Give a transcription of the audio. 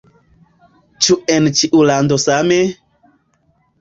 Ĉu en ĉiu lando same?